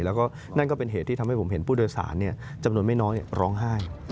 แล้วก็นั่นก็เป็นเหตุที่ทำให้ผมเห็นผู้โดยสารจำนวนไม่น้อยร้องไห้